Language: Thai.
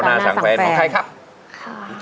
รู้จักไหม